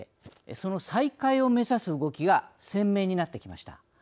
その再開を目指す動きが鮮明になってきました。